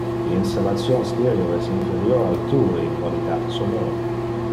Mi installation stereo es inferior al tue in qualitate sonor.